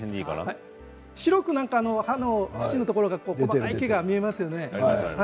白く、葉の縁のところが細かい毛が見えますよね。